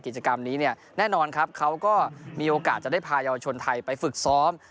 กิจกรรมนี้เนี่ยแน่นอนครับเขาก็มีโอกาสจะได้พายาวชนไทยไปฝึกซ้อม